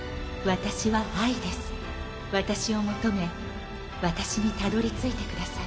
私を求め私にたどりついてください。